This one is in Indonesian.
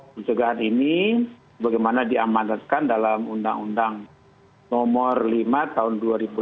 pencegahan ini bagaimana diamanatkan dalam undang undang nomor lima tahun dua ribu delapan belas